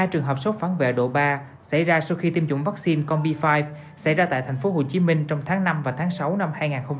hai trường hợp sốt phản vệ độ ba xảy ra sau khi tiêm chủng vaccine combi năm xảy ra tại tp hcm trong tháng năm và tháng sáu năm hai nghìn một mươi chín